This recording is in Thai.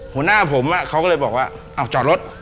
หัวหน้าผมเขาก็เลยบอกว่าอ้าวจอดรถ